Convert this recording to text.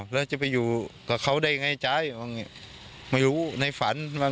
แล้วจะไปอยู่กับเขาได้อย่างไรไม่รู้ในฝัน